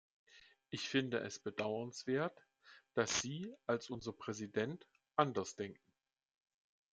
Ich finde es bedauernswert, dass Sie, als unser Präsident, anders denken.